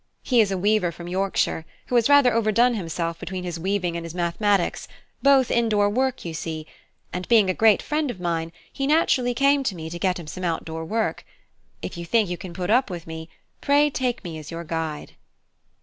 He is a weaver from Yorkshire, who has rather overdone himself between his weaving and his mathematics, both indoor work, you see; and being a great friend of mine, he naturally came to me to get him some outdoor work. If you think you can put up with me, pray take me as your guide."